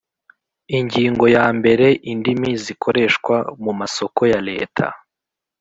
Ingingo ya mbere Indimi zikoreshwa mu masoko ya Leta